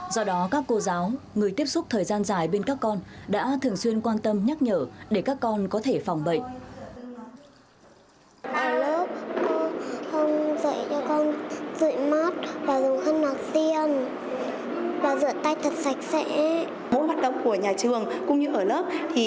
do đó các cô giáo người tiếp xúc thời gian dài bên các con đã thường xuyên quan tâm nhắc nhở để các con có thể phòng bệnh